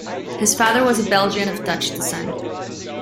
His father was a Belgian of Dutch descent.